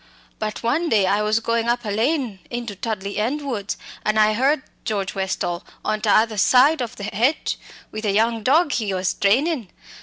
But one day I was going up a lane into Tudley End woods, an' I heard George Westall on tother side of the hedge with a young dog he was training.